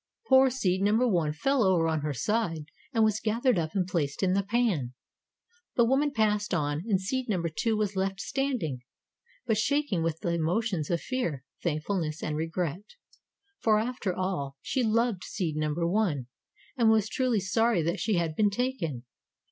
Poor seed number One fell over on her side and was gathered up and placed in the pan. The woman passed on and seed number Two was left standing, but shaking with the emotions of fear, thankfulness and regret. For after all, she loved seed number One and was truly sorry that she had been taken.